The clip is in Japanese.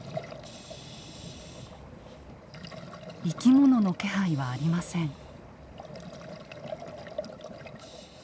生き物の気配はありません。